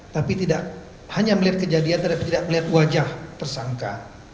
tapi tidak hanya melihat kejadian tapi tidak melihat wajah tersangka